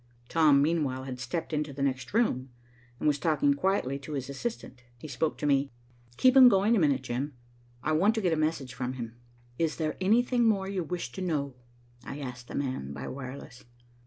Tom, meanwhile, had stepped into the next room, and was talking quietly to his assistant. He spoke to me. "Keep him going a minute, Jim. I want to get a message from him." "Is there anything more you wish to know?" I asked the man by wireless.